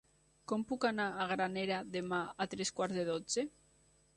Com puc anar a Granera demà a tres quarts de dotze?